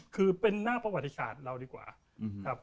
คือเป็นหน้าประวัติศาสตร์เราดีกว่าครับ